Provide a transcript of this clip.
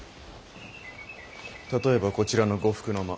例えばこちらの呉服の間。